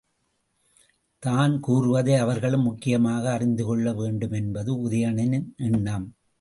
தான் கூறுவதை அவர்களும் முக்கியமாக அறிந்துகொள்ள வேண்டுமென்பது உதயணனின் எண்ணம்.